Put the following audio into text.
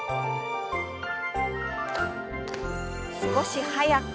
少し速く。